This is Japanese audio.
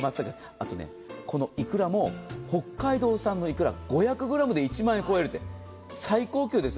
あとはいくらも北海道産のいくら５００ｇで１万円を超えるって最高級です。